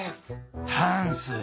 ・「ハンス。